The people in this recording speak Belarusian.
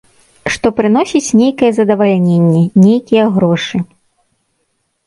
Што прыносіць нейкае задавальненне, нейкія грошы.